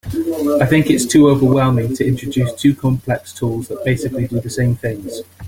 I think it’s too overwhelming to introduce two complex tools that basically do the same things.